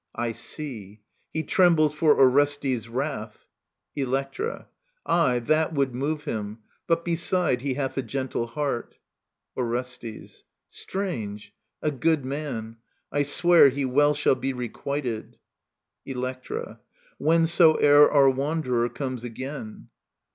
I see. He trembles for Orestes* wrath ? Electra. Aye^ that would move him. But beside^ he hath A gentle heart. Orestes. Strange I A good man. ... I swear He well shall be requited. Electra. Whensoever Our wanderer comes again